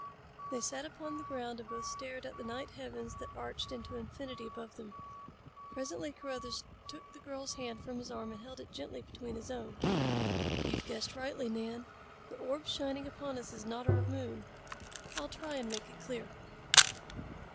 They sat upon the ground and both stared out at the night heavens that arched into infinity above them. Presently Carruthers took the girl's hand from his arm and held it gently between his own. "You've guessed rightly, Nan. The orb shining upon us is not our moon. I'll try and make it clear."